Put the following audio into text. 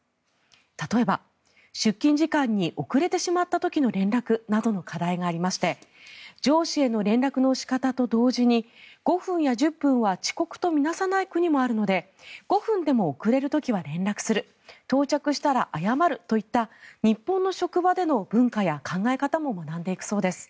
例えば、出勤時間に遅れてしまった時の連絡などの課題がありまして上司への連絡の仕方と同時に５分や１０分は遅刻と見なさない国もあるので５分でも遅れる時は連絡する到着したら謝るといった日本の職場での文化や考え方も学んでいくそうです。